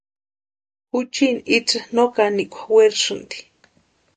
Juchini itsï no kanikwa werasïnti.